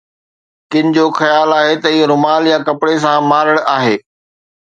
ڪن جو خيال آهي ته اهو رومال يا ڪپڙي سان مارڻ آهي.